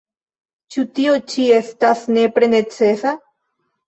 Ĉu tio ĉi estas nepre necesa?